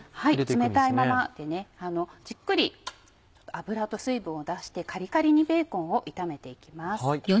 冷たいままでじっくり脂と水分を出してカリカリにベーコンを炒めて行きます。